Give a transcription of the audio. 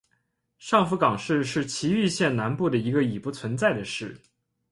上福冈市是崎玉县南部的一个已不存在的市。